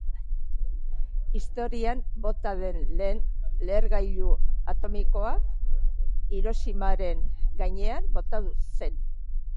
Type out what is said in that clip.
Historian bota den lehen lehergailu atomikoa Hiroshimaren gainean bota zen.